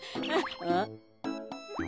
あっ？